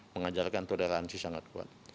mengajarkan toleransi sangat kuat